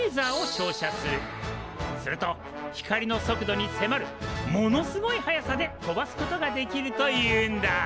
すると光の速度にせまるものすごい速さで飛ばすことができるというんだ。